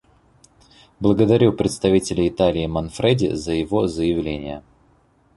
Благодарю представителя Италии Манфреди за его заявление.